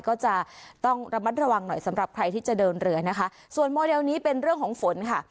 ก็จะต้องระมัดระวังหน่อยสำหรับใครที่จะเดินเรือนะคะส่วนโมเดลนี้เป็นเรื่องของฝนค่ะ